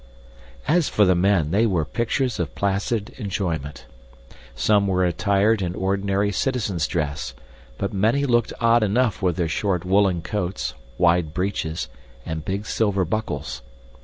As for the men, they were pictures of placid enjoyment. Some were attired in ordinary citizen's dress, but many looked odd enough with their short woolen coats, wide breeches, and big silver buckles.